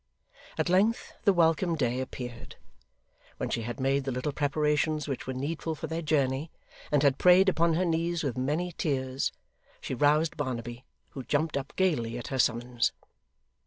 At length the welcome day appeared. When she had made the little preparations which were needful for their journey, and had prayed upon her knees with many tears, she roused Barnaby, who jumped up gaily at her summons.